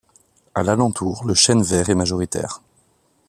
À l'alentour, le chêne vert est majoritaire.